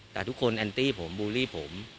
แต่ทุกคนอันตรีผมบูรีผม